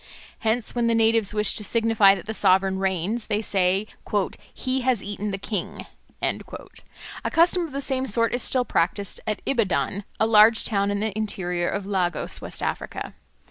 Hence, when the natives wish to signify that the sovereign reigns, they say, "He has eaten the king." A custom of the same sort is still practised at Ibadan, a large town in the interior of Lagos, West Africa.